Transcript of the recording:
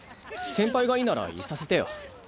先輩がいいならいさせてよ。